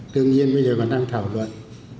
tương nhiên bây giờ còn đang thảo luận